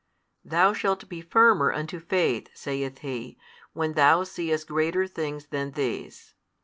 Thou shalt be firmer unto faith, saith He, when thou seest greater things than these.